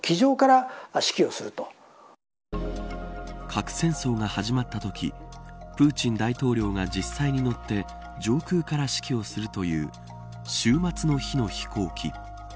核戦争が始まったときプーチン大統領が実際に乗って上空から指揮をするという終末の日の飛行機。